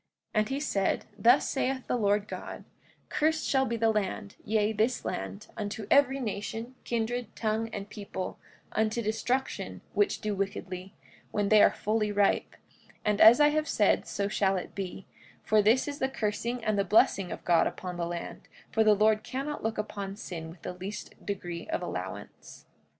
45:16 And he said: Thus saith the Lord God—Cursed shall be the land, yea, this land, unto every nation, kindred, tongue, and people, unto destruction, which do wickedly, when they are fully ripe; and as I have said so shall it be; for this is the cursing and the blessing of God upon the land, for the Lord cannot look upon sin with the least degree of allowance.